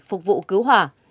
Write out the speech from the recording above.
phục vụ cứu hỏa